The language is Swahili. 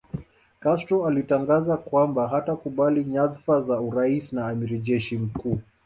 Castro alitangaza kwamba hatakubali nyazfa za urais na amiri jeshi mkuu